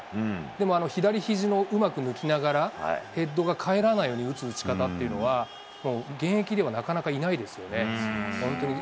でもあの左ひじをうまく抜きながら、ヘッドが返らないように打つ打ち方というのは、もう現役では、なかなかいないですよね。